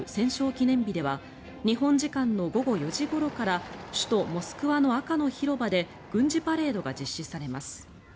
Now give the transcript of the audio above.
記念日では日本時間の午後４時ごろから首都モスクワの赤の広場で軍事パレードが実施されます。